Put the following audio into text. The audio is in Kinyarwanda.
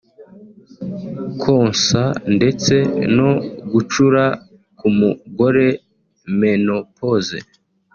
konsa ndetse no gucura k’umugore (menopause)